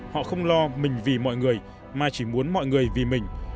họ không lo mình vì mọi người mà chỉ muốn mọi người vì mình